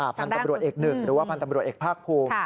พันธุ์ตำรวจเอกหนึ่งหรือว่าพันธ์ตำรวจเอกภาคภูมิ